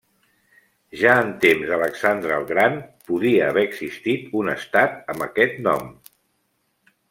Ja en temps d'Alexandre el Gran podia haver existit un estat amb aquest nom.